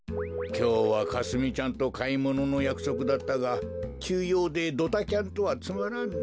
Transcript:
きょうはかすみちゃんとかいもののやくそくだったがきゅうようでドタキャンとはつまらんな。